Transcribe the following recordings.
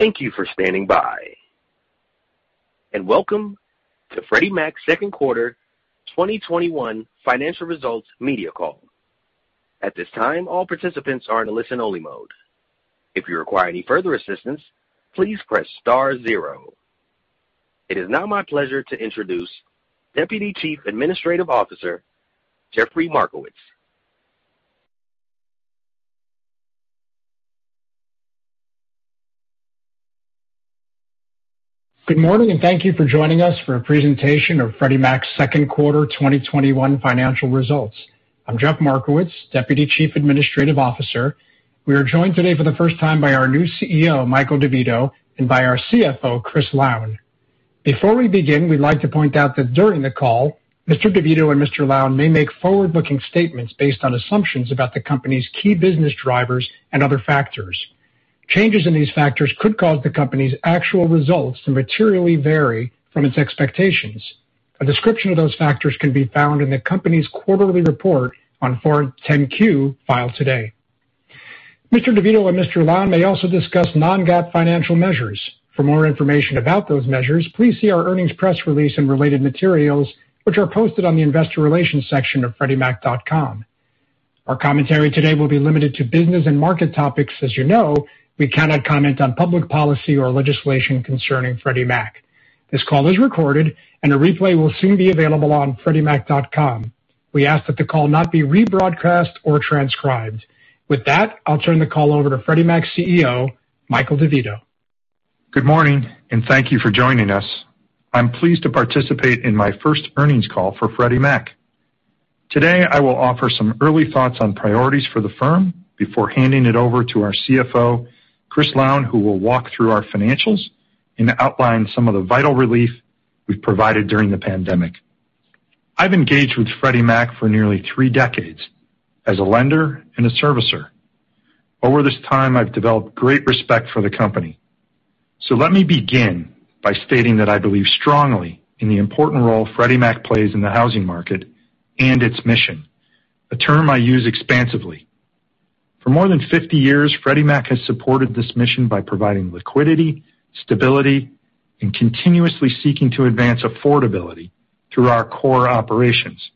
Thank you for standing by, and welcome to Freddie Mac's second quarter 2021 financial results media call. At this time all participants are in listen-only mode. If you require any further assistance please press star zero. It is now my pleasure to introduce Deputy Chief Administrative Officer, Jeffrey Markowitz. Good morning. Thank you for joining us for a presentation of Freddie Mac's second quarter 2021 financial results. I'm Jeff Markowitz, Deputy Chief Administrative Officer. We are joined today for the first time by our new CEO, Michael DeVito, and by our CFO, Chris Lown. Before we begin, we'd like to point out that during the call, Mr. DeVito and Mr. Lown may make forward-looking statements based on assumptions about the company's key business drivers and other factors. Changes in these factors could cause the company's actual results to materially vary from its expectations. A description of those factors can be found in the company's quarterly report on Form 10-Q filed today. Mr. DeVito and Mr. Lown may also discuss non-GAAP financial measures. For more information about those measures, please see our earnings press release and related materials, which are posted on the investor relations section of freddiemac.com. Our commentary today will be limited to business and market topics. As you know, we cannot comment on public policy or legislation concerning Freddie Mac. This call is recorded, and a replay will soon be available on freddiemac.com. We ask that the call not be rebroadcast or transcribed. With that, I'll turn the call over to Freddie Mac's CEO, Michael DeVito. Good morning, thank you for joining us. I'm pleased to participate in my first earnings call for Freddie Mac. Today, I will offer some early thoughts on priorities for the firm before handing it over to our CFO, Chris Lown, who will walk through our financials and outline some of the vital relief we've provided during the pandemic. I've engaged with Freddie Mac for nearly three decades as a lender and a servicer. Over this time, I've developed great respect for the company. Let me begin by stating that I believe strongly in the important role Freddie Mac plays in the housing market and its mission, a term I use expansively. For more than 50 years, Freddie Mac has supported this mission by providing liquidity, stability, and continuously seeking to advance affordability through our core operations.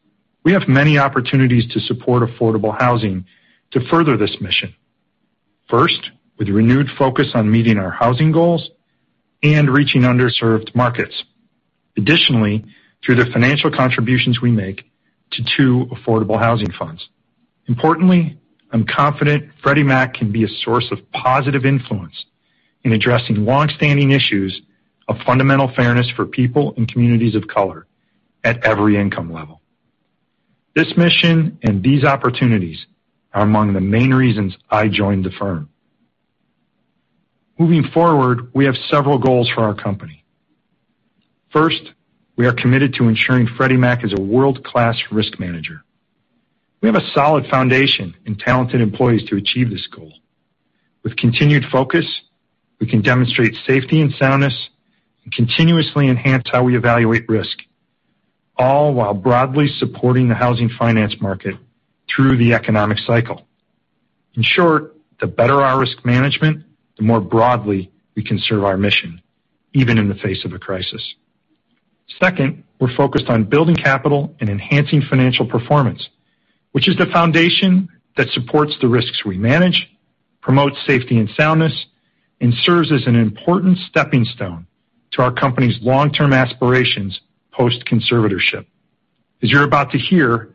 We have many opportunities to support affordable housing to further this mission. First, with renewed focus on meeting our housing goals and reaching underserved markets. Additionally, through the financial contributions we make to two affordable housing funds. Importantly, I'm confident Freddie Mac can be a source of positive influence in addressing longstanding issues of fundamental fairness for people and communities of color at every income level. This mission and these opportunities are among the main reasons I joined the firm. Moving forward, we have several goals for our company. First, we are committed to ensuring Freddie Mac is a world-class risk manager. We have a solid foundation and talented employees to achieve this goal. With continued focus, we can demonstrate safety and soundness and continuously enhance how we evaluate risk, all while broadly supporting the housing finance market through the economic cycle. In short, the better our risk management, the more broadly we can serve our mission, even in the face of a crisis. Second, we're focused on building capital and enhancing financial performance, which is the foundation that supports the risks we manage, promotes safety and soundness, and serves as an important stepping stone to our company's long-term aspirations post-conservatorship. As you're about to hear,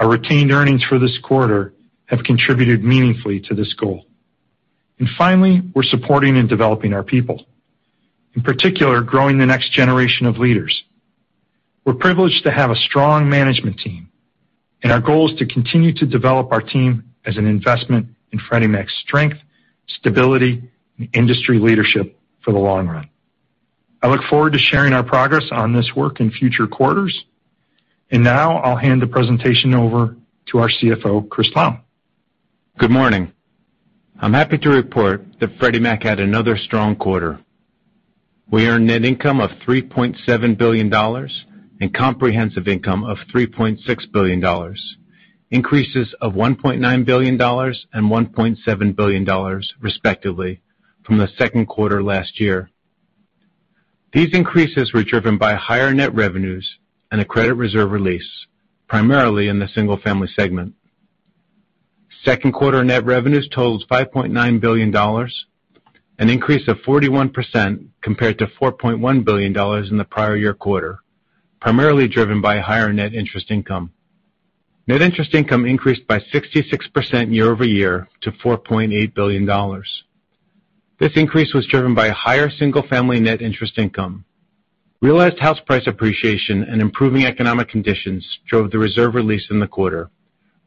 our retained earnings for this quarter have contributed meaningfully to this goal. Finally, we're supporting and developing our people, in particular, growing the next generation of leaders. We're privileged to have a strong management team, and our goal is to continue to develop our team as an investment in Freddie Mac's strength, stability, and industry leadership for the long run. I look forward to sharing our progress on this work in future quarters. Now I'll hand the presentation over to our CFO, Chris Lown. Good morning. I'm happy to report that Freddie Mac had another strong quarter. We earned net income of $3.7 billion and comprehensive income of $3.6 billion, increases of $1.9 billion and $1.7 billion, respectively, from the second quarter last year. These increases were driven by higher net revenues and a credit reserve release, primarily in the single-family segment. Second quarter net revenues totaled $5.9 billion, an increase of 41% compared to $4.1 billion in the prior year quarter, primarily driven by higher net interest income. Net interest income increased by 66% year-over-year to $4.8 billion. This increase was driven by higher single-family net interest income. Realized house price appreciation and improving economic conditions drove the reserve release in the quarter,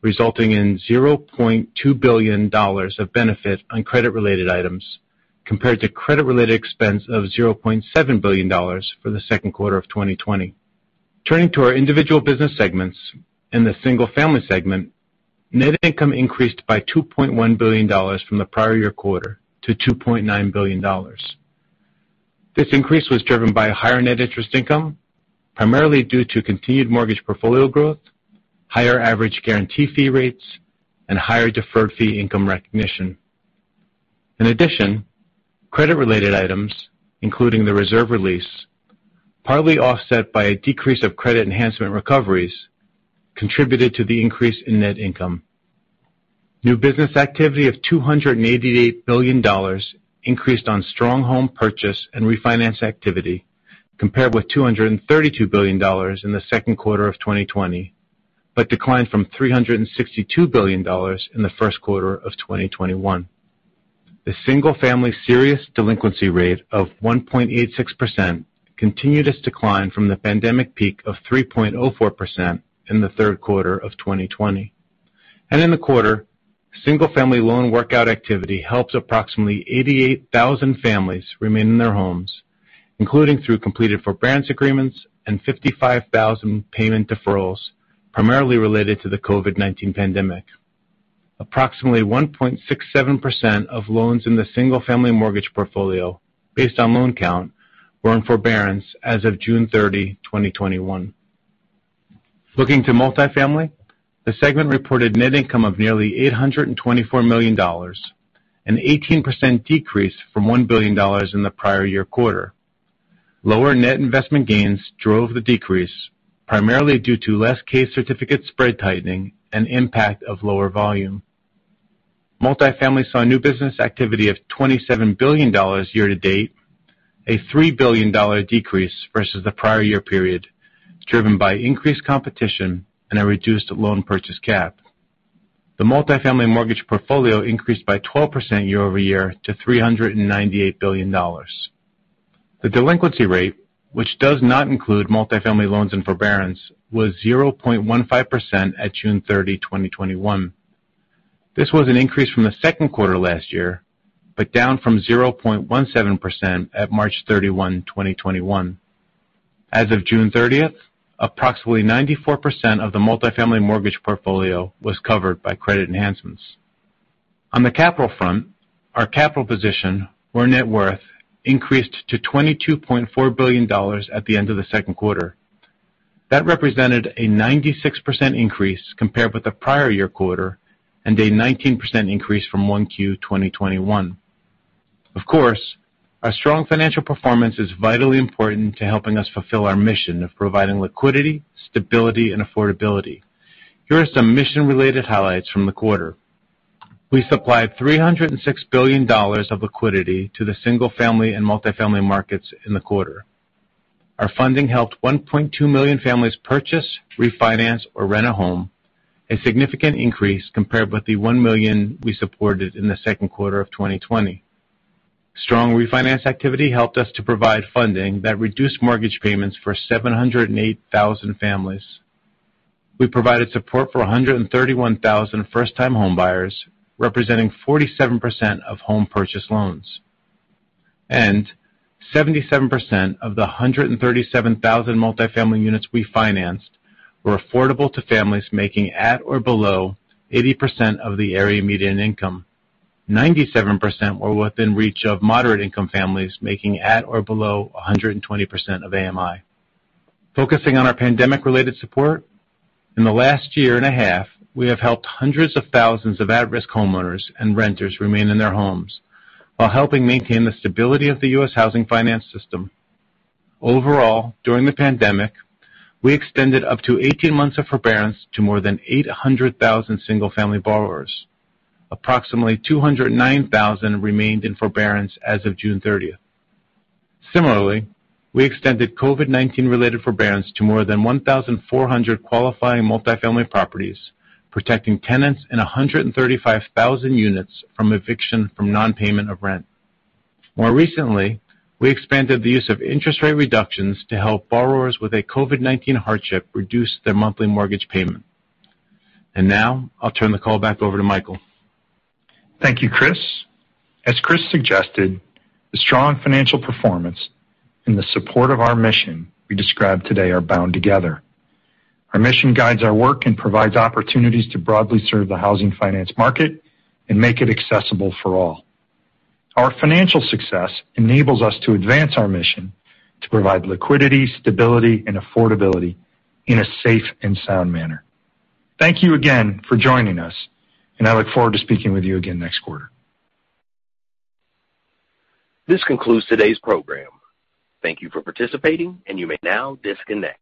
resulting in $0.2 billion of benefit on credit-related items, compared to credit-related expense of $0.7 billion for the second quarter of 2020. Turning to our individual business segments, in the single-family segment, net income increased by $2.1 billion from the prior year quarter to $2.9 billion. This increase was driven by a higher net interest income, primarily due to continued mortgage portfolio growth, higher average guarantee fee rates, and higher deferred fee income recognition. In addition, credit-related items, including the reserve release, partly offset by a decrease of credit enhancement recoveries, contributed to the increase in net income. New business activity of $288 billion increased on strong home purchase and refinance activity compared with $232 billion in the second quarter of 2020, but declined from $362 billion in the first quarter of 2021. The single-family serious delinquency rate of 1.86% continued its decline from the pandemic peak of 3.04% in the third quarter of 2020. In the quarter, single-family loan workout activity helped approximately 88,000 families remain in their homes, including through completed forbearance agreements and 55,000 payment deferrals, primarily related to the COVID-19 pandemic. Approximately 1.67% of loans in the single-family mortgage portfolio, based on loan count, were in forbearance as of June 30, 2021. Looking to multifamily, the segment reported net income of nearly $824 million, an 18% decrease from $1 billion in the prior year quarter. Lower net investment gains drove the decrease, primarily due to less K certificate spread tightening and impact of lower volume. Multifamily saw new business activity of $27 billion year to date, a $3 billion decrease versus the prior year period, driven by increased competition and a reduced loan purchase cap. The multifamily mortgage portfolio increased by 12% year-over-year to $398 billion. The delinquency rate, which does not include multifamily loans in forbearance, was 0.15% at June 30, 2021. This was an increase from the second quarter last year, but down from 0.17% at March 31, 2021. As of June 30th, approximately 94% of the multifamily mortgage portfolio was covered by credit enhancements. On the capital front, our capital position or net worth increased to $22.4 billion at the end of the second quarter. That represented a 96% increase compared with the prior year quarter and a 19% increase from 1Q 2021. Of course, our strong financial performance is vitally important to helping us fulfill our mission of providing liquidity, stability, and affordability. Here are some mission-related highlights from the quarter. We supplied $306 billion of liquidity to the single-family and multifamily markets in the quarter. Our funding helped 1.2 million families purchase, refinance, or rent a home, a significant increase compared with the 1 million we supported in the second quarter of 2020. Strong refinance activity helped us to provide funding that reduced mortgage payments for 708,000 families. We provided support for 131,000 first-time homebuyers, representing 47% of home purchase loans, and 77% of the 137,000 multifamily units we financed were affordable to families making at or below 80% of the area median income. 97% were within reach of moderate-income families making at or below 120% of AMI. Focusing on our pandemic-related support, in the last year and a half, we have helped hundreds of thousands of at-risk homeowners and renters remain in their homes while helping maintain the stability of the U.S. housing finance system. Overall, during the pandemic, we extended up to 18 months of forbearance to more than 800,000 single-family borrowers. Approximately 209,000 remained in forbearance as of June 30th. Similarly, we extended COVID-19 related forbearance to more than 1,400 qualifying multifamily properties, protecting tenants in 135,000 units from eviction from non-payment of rent. More recently, we expanded the use of interest rate reductions to help borrowers with a COVID-19 hardship reduce their monthly mortgage payment. Now I'll turn the call back over to Michael. Thank you, Chris. As Chris suggested, the strong financial performance and the support of our mission we described today are bound together. Our mission guides our work and provides opportunities to broadly serve the housing finance market and make it accessible for all. Our financial success enables us to advance our mission to provide liquidity, stability, and affordability in a safe and sound manner. Thank you again for joining us, and I look forward to speaking with you again next quarter. This concludes today's program. Thank you for participating, and you may now disconnect.